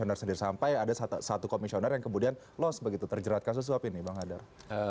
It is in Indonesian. benar sendiri sampai ada satu komisioner yang kemudian loss begitu terjerat kasus suap ini bang hadar